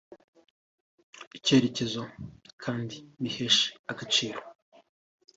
icyerekezo kandi bihesha agaciro